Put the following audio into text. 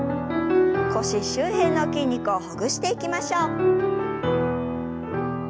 腰周辺の筋肉をほぐしていきましょう。